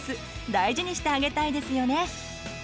大事にしてあげたいですよね！